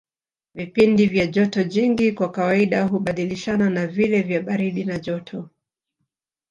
Vipindi vya joto jingi kwa kawaida hubadilishana na vile vya baridi na joto